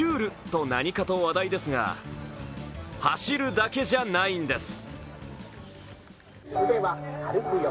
と何かと話題ですが、走るだけじゃないんです。